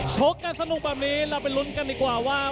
ชกกันสนุกแบบนี้เราไปลุ้นกันดีกว่าว่า